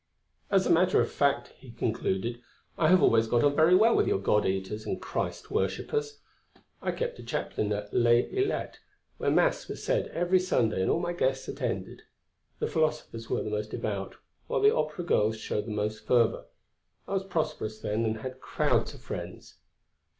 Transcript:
"As a matter of fact," he concluded, "I have always got on very well with your God eaters and Christ worshippers. I kept a chaplain at Les Ilettes, where Mass was said every Sunday and all my guests attended. The philosophers were the most devout while the opera girls showed the most fervour. I was prosperous then and had crowds of friends."